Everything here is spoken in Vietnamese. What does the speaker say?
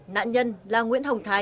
nạn nhân là nguyễn hồng thái